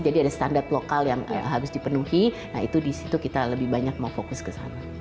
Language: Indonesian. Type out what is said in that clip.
jadi ada standar lokal yang harus dipenuhi nah itu di situ kita lebih banyak mau fokus ke sana